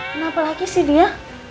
kenapa lagi sih dia